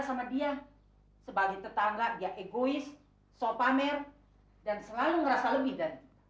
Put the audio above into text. sebagai tetangga dia egois sopamer dan selalu ngerasa lebih dan lebih